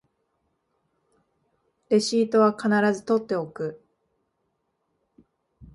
レシートは必ず取っておく